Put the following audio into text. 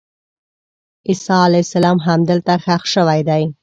عیسی علیه السلام همدلته ښخ شوی دی.